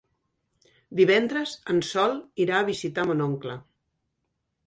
Divendres en Sol irà a visitar mon oncle.